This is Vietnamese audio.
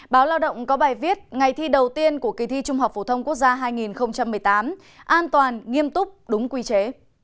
báo lao động có bài viết ngày thi đầu tiên của kỳ thi trung học phổ thông quốc gia hai nghìn một mươi tám an toàn nghiêm túc đúng quy chế